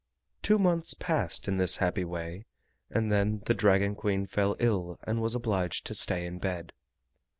Two months passed in this happy way, and then the Dragon Queen fell ill and was obliged to stay in bed.